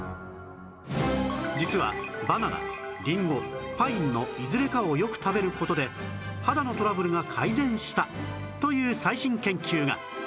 実はバナナりんごパインのいずれかをよく食べる事で肌のトラブルが改善したという最新研究が